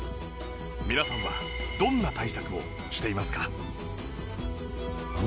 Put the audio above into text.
皆さんはどんな対策をしていますか？